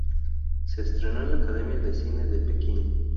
Se entrenó en la Academia de Cine de Pekín.